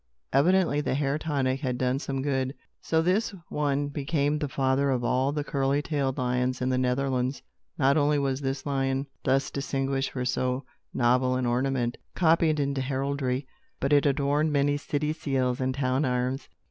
Evidently, the hair tonic had done some good. So this one became the father of all the curly tailed lions in the Netherlands. Not only was this lion, thus distinguished for so novel an ornament, copied into heraldry, but it adorned many city seals and town arms.